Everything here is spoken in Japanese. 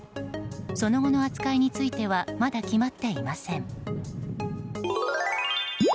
その後の扱いについてはまだ決まっていません。